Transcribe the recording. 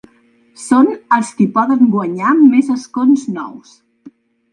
Són els qui poden guanyar més escons nous.